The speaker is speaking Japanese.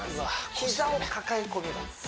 膝を抱え込みます